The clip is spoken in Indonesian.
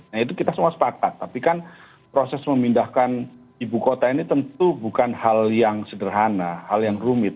nah itu kita semua sepakat tapi kan proses memindahkan ibu kota ini tentu bukan hal yang sederhana hal yang rumit